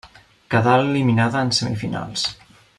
Quedà eliminada en semifinals.